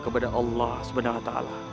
kepada allah swt